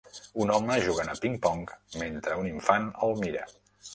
Un home jugant a ping-pong mentre un infant el mira.